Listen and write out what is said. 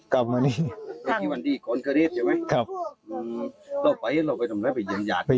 กินอาทิตย์อีกวันก็เรียบใช่ไหม